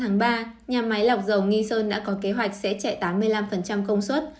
nhà máy lọc dầu nghi sơn đã có kế hoạch sẽ chạy tám mươi năm công suất